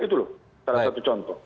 itu loh salah satu contoh